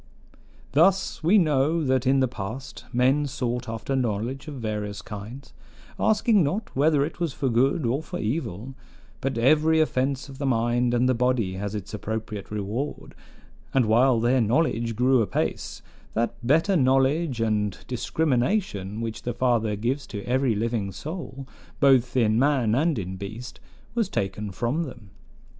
"Thus we know that in the past men sought after knowledge of various kinds, asking not whether it was for good or for evil: but every offense of the mind and the body has its appropriate reward; and while their knowledge grew apace, that better knowledge and discrimination which the Father gives to every living soul, both in man and in beast, was taken from them.